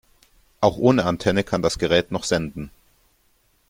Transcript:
Auch ohne Antenne kann das Gerät noch senden.